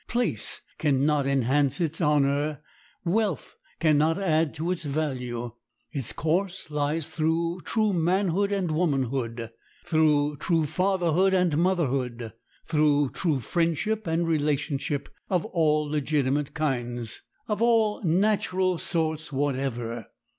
Place can not enhance its honor; wealth can not add to its value. Its course lies through true manhood and womanhood; through true fatherhood and motherhood; through true friendship and relationship of all legitimate kinds—of all natural sorts whatever.